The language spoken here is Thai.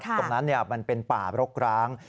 ตรงนั้นมันเป็นป่ารกร้าง